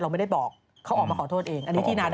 เราไม่ได้บอกเขาออกมาขอโทษเอง